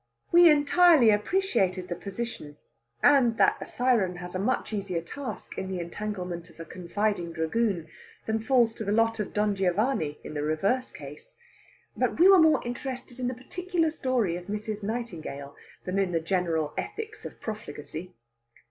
We entirely appreciated the position, and that a siren has a much easier task in the entanglement of a confiding dragoon than falls to the lot of Don Giovanni in the reverse case. But we were more interested in the particular story of Mrs. Nightingale than in the general ethics of profligacy.